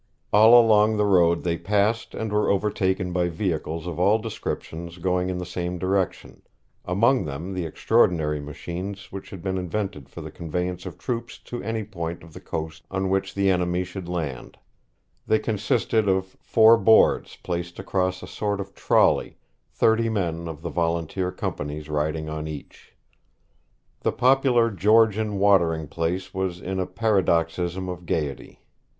All along the road they passed and were overtaken by vehicles of all descriptions going in the same direction; among them the extraordinary machines which had been invented for the conveyance of troops to any point of the coast on which the enemy should land; they consisted of four boards placed across a sort of trolly, thirty men of the volunteer companies riding on each. The popular Georgian watering place was in a paroxysm of gaiety.